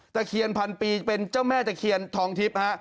ตะเคียนพันปีเป็นเจ้าแม่ตะเคียนทองทิพย์ฮะ